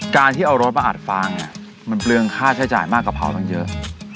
การที่เอารถมาอัดฟางมันเปลืองค่าใช้จ่ายมากกะเพราตั้งเยอะ